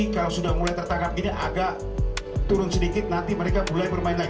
kalau sudah mulai tertangkap gini agak turun sedikit nanti mereka mulai bermain lagi